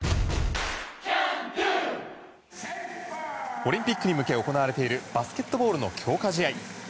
オリンピックに向け行われているバスケットボールの強化試合。